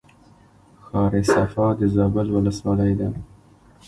ښار صفا د زابل ولسوالۍ ده